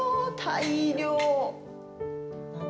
大量！